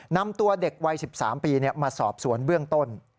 นำตัวเด็กวัย๑๓ปีมาสอบสวนเบื้องต้น